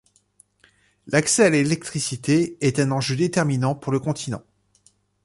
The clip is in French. L'accès à l'électricité est un enjeu déterminant pour le continent.